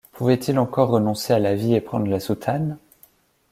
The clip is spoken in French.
Pouvait-il encore renoncer à la vie et prendre la soutane ?